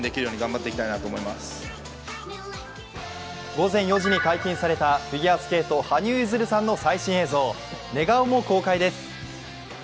午前４時に解禁されたフィギュアスケート、羽生結弦さんの最新映像寝顔も公開です。